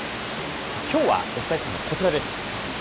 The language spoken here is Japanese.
きょうお伝えしたいのはこちらです。